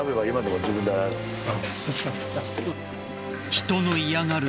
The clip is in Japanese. ［人の嫌がる